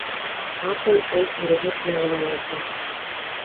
Ҡапыл ул һөрөнөп йығыла яҙҙы.